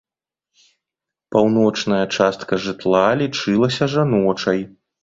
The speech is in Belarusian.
Паўночная частка жытла лічылася жаночай.